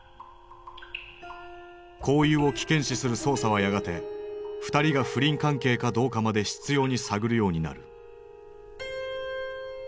交友を危険視する捜査はやがて２人が不倫関係かどうかまで執ように探るようになる。